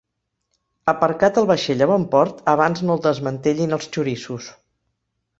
Aparcat el vaixell a bon port abans no el desmantellin els xoriços.